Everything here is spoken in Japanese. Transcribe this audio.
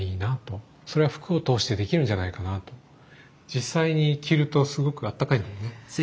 実際に着るとすごくあったかいんだよね。